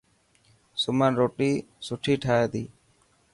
سمن روٽي سٺي ٺاهي تي.